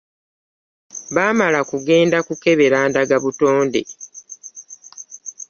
Baamala kugenda kukebera ndagabutonde.